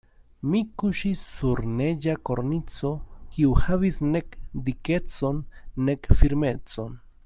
Mi kuŝis sur neĝa kornico, kiu havis nek dikecon nek firmecon.